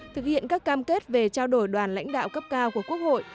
thực hiện các cam kết về trao đổi đoàn lãnh đạo cấp cao của quốc hội